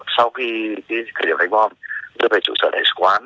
sau khi cái điều bệnh bom đưa về trụ sở đại sứ quán